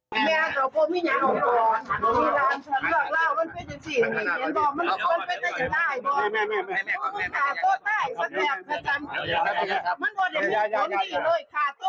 แม่ขอบคุณพ่อมีนาออกก่อนมีร้านฉันรักราวมันเป็นจนสี่หนึ่งเห็นป่ะมันเป็นจนได้ป่ะ